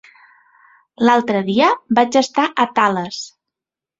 L'altre dia vaig estar a Tales.